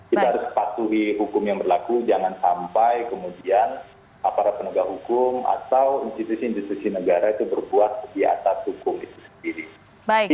kita harus patuhi hukum yang berlaku jangan sampai kemudian aparat penegak hukum atau institusi institusi negara itu berbuat di atas hukum itu sendiri